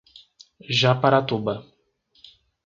Japaratuba